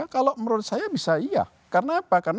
kalau menurut saya bisa iya karena apa